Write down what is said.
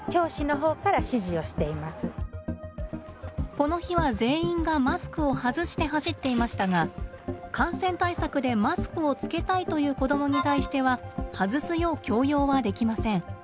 この日は全員がマスクを外して走っていましたが感染対策でマスクをつけたいという子どもに対しては外すよう強要はできません。